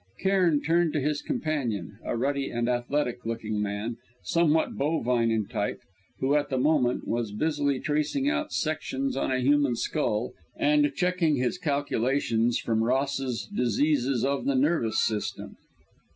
Cairn turned to his companion, a ruddy and athletic looking man, somewhat bovine in type, who at the moment was busily tracing out sections on a human skull and checking his calculations from Ross's Diseases of the Nervous System.